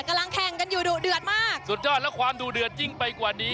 กำลังแข่งกันอยู่ดุเดือดมากสุดยอดและความดูเดือดยิ่งไปกว่านี้